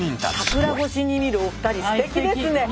桜越しに見るお二人すてきですね。